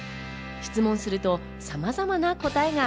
質問するとさまざまな答えが。